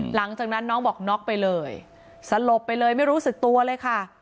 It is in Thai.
หลังจากนั้นน้องบอกน็อกไปเลยสลบไปเลยไม่รู้สึกตัวเลยค่ะ